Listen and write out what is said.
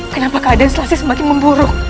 kenapa keadaan setelahnya semakin memburuk